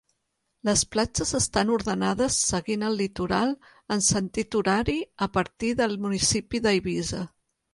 Les platges estan ordenades seguint el litoral en sentit horari a partir del municipi d'Eivissa.